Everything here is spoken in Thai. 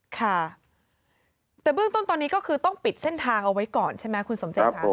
ค่ะแต่เบื้องต้นตอนนี้ก็คือต้องปิดเส้นทางเอาไว้ก่อนใช่ไหมคุณสมเจตค่ะ